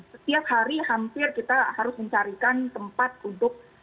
setiap hari hampir kita harus mencarikan tempat untuk